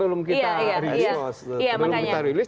oh ya memang belum kita release